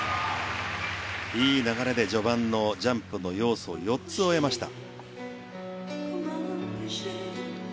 いい流れで序盤のジャンプの要素を４つ終えました。